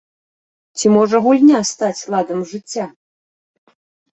Ці можа гульня стаць ладам жыцця?